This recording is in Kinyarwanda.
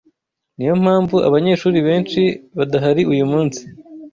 Niyo mpamvu abanyeshuri benshi badahari uyumunsi.